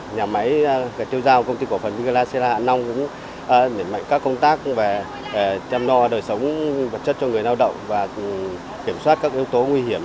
nhà máy tiêu giao công ty cổ phần như laxela hạ long cũng nảy mạnh các công tác về chăm lo đời sống vật chất cho người lao động và kiểm soát các yếu tố nguy hiểm